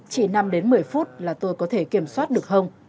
chỉ năm đến một mươi phút là tôi có thể kiểm soát được không